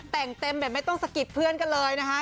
แต่งเต็มแบบไม่ต้องสะกิดเพื่อนกันเลยนะคะ